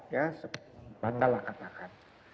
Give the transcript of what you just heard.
ya sepatah lah katakan